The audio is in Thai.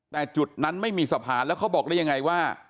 แต่จุดนั้นไม่มีสะพานแล้วเขาบอกได้ยังไงว่า